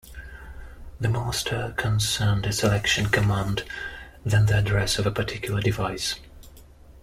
The master can send a selection command, then the address of a particular device.